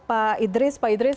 pak idris pak idris